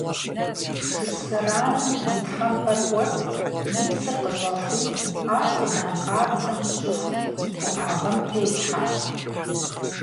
Шыпсыранэм и тхьэмпэр Ӏуэт, и псыр къыщӀэхуи, ар хъыдан къабзэм щыхуи уӀэгъэм телъхьэ.